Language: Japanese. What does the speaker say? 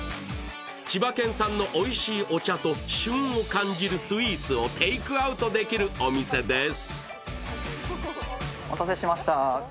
千葉県産のおいしいお茶と、旬を感じるスイーツをテイクアウトできるお店です。